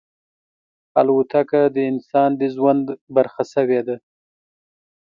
الوتکه د انسان د ژوند برخه شوې ده.